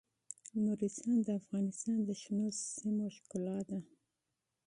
نورستان د افغانستان د شنو سیمو ښکلا ده.